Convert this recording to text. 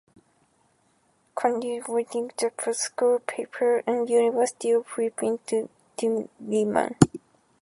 Arcellana continued writing in various school papers at the University of the Philippines Diliman.